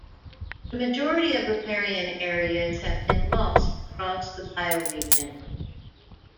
The majority of riparian areas have been lost across the bioregion.